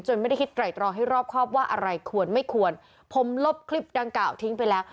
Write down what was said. ไม่ได้คิดไตรตรองให้รอบครอบว่าอะไรควรไม่ควรผมลบคลิปดังกล่าวทิ้งไปแล้ว